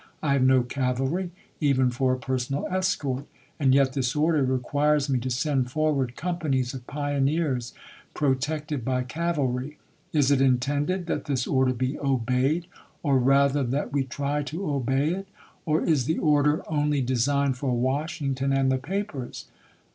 I have no cavalry even for a personal escort, and yet this order requires me to send forward companies of pioneers protected by cavalry. Is it intended that this order be obeyed, or rather, that we try to obey it, or is the order only de signed for Washington and the papers 1